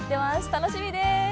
楽しみです。